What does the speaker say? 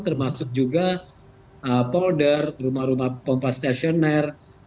termasuk juga polder rumah rumah pompa stasioner